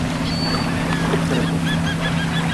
Tikrib.